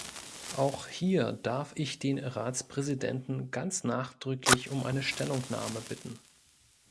Auch hier darf ich den Ratspräsidenten ganz nachdrücklich um eine Stellungnahme bitten.